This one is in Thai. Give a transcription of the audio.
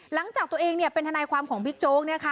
หลังจากตัวเองเป็นธนายความของบิ๊กโจ๊ก